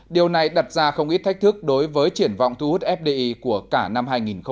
điều này đặt ra không ít thách thức đối với triển vọng thu hút fdi của cả năm hai nghìn một mươi chín